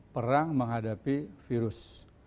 perang menghadapi virus